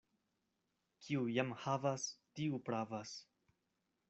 Kiu jam havas, tiu pravas.